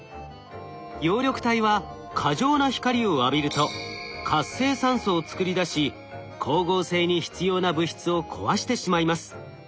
葉緑体は過剰な光を浴びると活性酸素を作り出し光合成に必要な物質を壊してしまいます。